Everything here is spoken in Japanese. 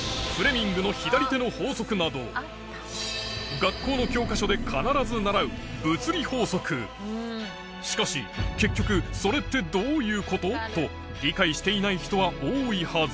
学校の教科書で必ず習うしかし結局それってどういうこと？と理解していない人は多いはず